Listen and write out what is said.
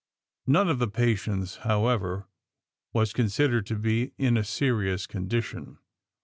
None of the patients, however, was con sidered to be in a serious condition.